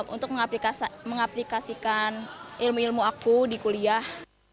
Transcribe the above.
untuk mengaplikasikan ilmu ilmu aku di kuliah